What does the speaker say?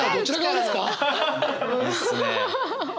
いいっすね。